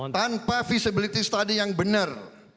tanpa feasibility study yang benar